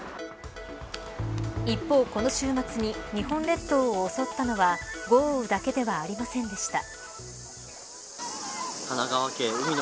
一方、この週末に日本列島を襲ったのは豪雨だけではありませんでした。